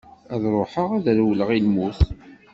Ad ruḥeγ ad rewleγ i lmut.